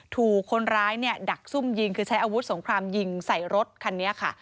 ถูกคนร้ายเนี่ยดักซุ่มยิงคือใช้อาวุธสงครามยิงใส่รถคันนี้ค่ะ